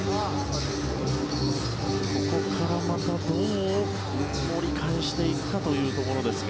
ここからまたどう盛り返していくかというところですが。